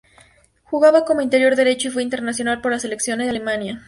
Jugaba como interior derecho y fue internacional por la Selección de Alemania.